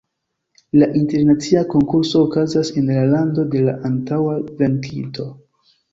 La internacia konkurso okazas en la lando de la antaŭa venkinto.